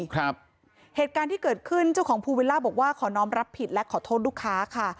เหตุการณ์ที่เกิดขึ้นเจ้าของภูวิลล่าบอกว่าขอน้องรับผิดและขอโทษลูกค้าค่ะ